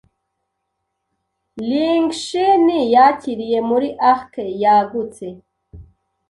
Ringshin yakiriye muri arc yagutse